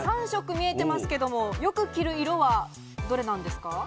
３色見えてますけれど、よく着る色はどれなんですか？